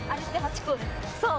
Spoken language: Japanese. そう！